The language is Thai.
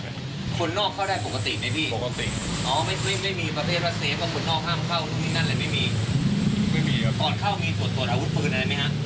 ตอนเข้ามีตรวจอาวุธปืนอะไรไหมฮะ